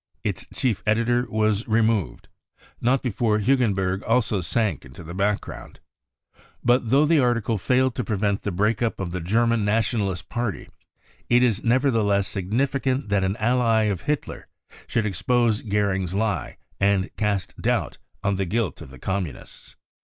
Its chief editor was removed ; not before Hugen berg also sank into the background. But though the article failed to prevent the break up of the German Nationalist Party, it is nevertheless significant that an ally of Hitler I should expose Goering's lie and cast doubt on the guilt of the Communists.